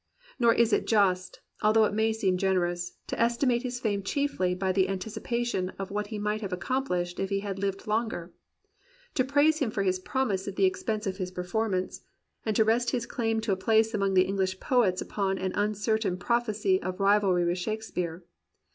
Nor is it just, although it may seem generous, to estimate his fame chiefly by the anticipation of what he might have accomplished if he had lived longer; to praise him for his promise at the expense 172 THE POET OF IMMORTAL YOUTH of his performance; and to rest his claim to a place among the English poets upon an uncertain proph ecy of rivalry with Shakespeare.